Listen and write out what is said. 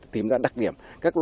tìm ra đặc điểm